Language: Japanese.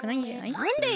なんでよ？